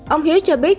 ông hiếu cho biết